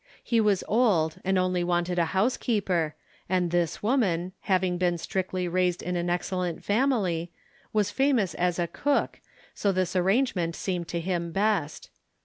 He was old and only wanted a housekeeper, and this woman, having been strictly raised in an excellent family, was famous as a cook, so this arrangement seemed to him best.